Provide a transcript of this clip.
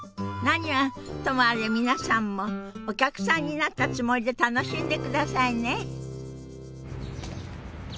何はともあれ皆さんもお客さんになったつもりで楽しんでくださいね。